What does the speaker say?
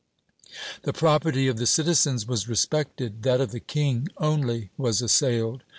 The property of the citizens was respected that of the King only was assailed.